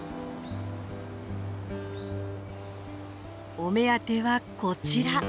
お目当てはこちら。